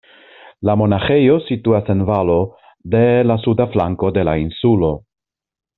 La monaĥejo situas en valo de la suda flanko de la insulo.